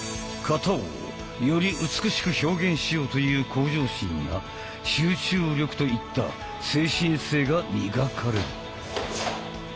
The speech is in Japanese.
形をより美しく表現しようという向上心や集中力といった精神性が磨かれる。